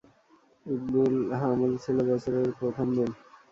ঈদুল হামল ছিল বছরের প্রথম দিন।